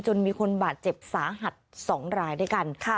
มีคนบาดเจ็บสาหัส๒รายด้วยกัน